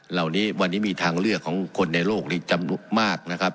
เหล่านี้วันนี้มีทางเลือกของคนในโลกนี้จำนวนมากนะครับ